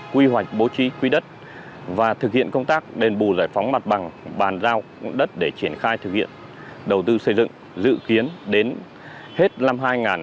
quy hoạch bố trí quy đất và thực hiện công tác đền bù giải phóng mặt bằng bàn giao đất để triển khai thực hiện đầu tư xây dựng dự kiến đến hết năm hai nghìn hai mươi